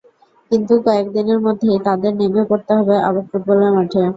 কিন্তু কয়েক দিনের মধ্যেই তাঁদের নেমে পড়তে হবে আবার ফুটবলের মাঠে।